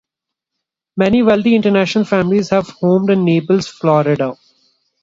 Many wealthy international families have homes in Naples, Florida.